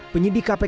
penyidik kpk herbert